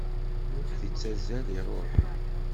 Lweqt ittazzal iruḥ.